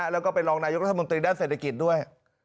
แล้วก็เป็นรองนายกรัฐมนตรีด้านเศรษฐกิจด้วย